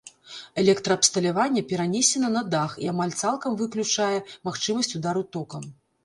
Электраабсталяванне перанесена на дах і амаль цалкам выключае магчымасць удару токам.